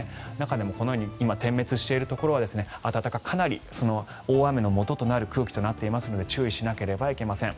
このように点滅しているところは大雨のもととなる空気となっていますので注意しなければいけません。